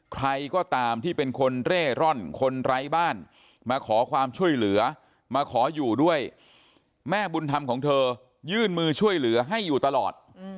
ใครก็ตามที่เป็นคนเร่ร่อนคนไร้บ้านมาขอความช่วยเหลือมาขออยู่ด้วยแม่บุญธรรมของเธอยื่นมือช่วยเหลือให้อยู่ตลอด